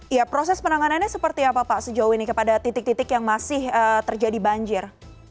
ya proses penanganannya seperti apa pak sejauh ini kepada titik titik yang masih terjadi banjir